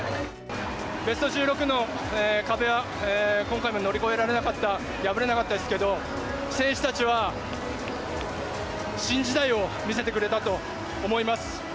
ベスト１６の壁は今回も乗り越えられなかった、破れなかったですけど、選手たちは新時代を見せてくれたと思います。